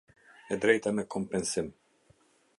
E drejta në kompensim.